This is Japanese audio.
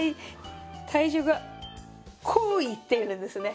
体重がこういってるんですね。